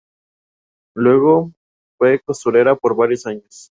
Luego fue costurera por varios años.